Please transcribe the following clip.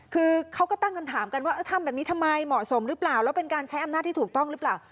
คือเขาก็ตั้งคำถามกันว่าทำแบบนี้ทำไมเหมาะสมหรือเปล่าแล้วเป็นการใช้อำนาจที่ถูกต้องหรือเปล่า